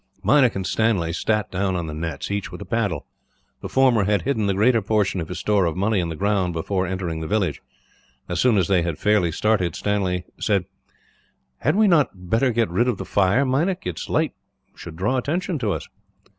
Meinik and Stanley sat on the nets, each with a paddle. The former had hidden the greater portion of his store of money in the ground, before entering the village. As soon as they had fairly started, Stanley said: "Had we not better get rid of the fire, Meinik? Its light would draw attention to us."